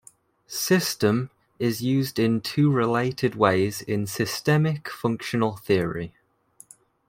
"System" is used in two related ways in systemic functional theory.